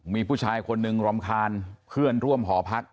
มีผู้ชายคนหนึ่งรำคาญเพื่อนร่วมหอพัก